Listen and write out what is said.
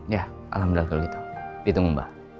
ya alhamdulillah kalau gitu ditunggu mbak